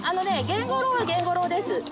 ゲンゴロウはゲンゴロウです。